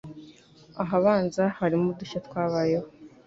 Ahabanza harimo dushya twabayeho